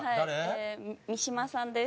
えー三島さんです。